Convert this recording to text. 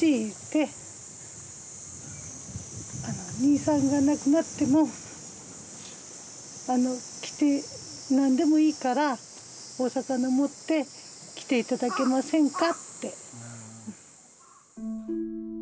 あの「にいさんが亡くなっても来て何でもいいからお魚持って来て頂けませんか」って。